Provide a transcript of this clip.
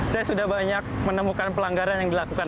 saya sudah banyak menemukan pelanggaran yang dilakukan